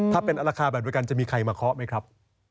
ถ้าเป็นราคาแบบเดียวกันจะมีใครมาเคาะไหมครับ